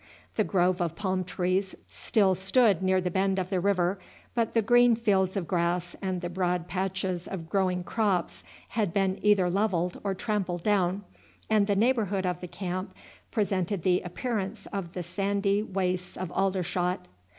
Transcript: The grove of palm trees still stood near the bend of the river, but the green fields of grass and the broad patches of growing crops had been either levelled or trampled down, and the neighbourhood of the camp presented the appearance of the sandy wastes of Aldershot.